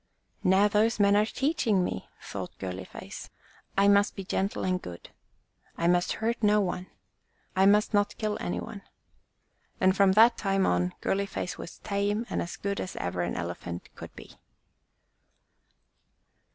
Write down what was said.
"Now those men are teaching me," thought Girly face. "I must be gentle and good. I must hurt no one. I must not kill any one." And from that time on Girly face was tame and as good as ever an Ele phant could be.